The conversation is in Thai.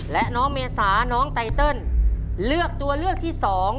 และน้องเมษาน้องไตเติลเลือกตัวเลือกที่๒